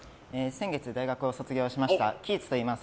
先月大学を卒業しましたキーツといいます。